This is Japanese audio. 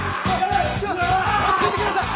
落ち着いてください！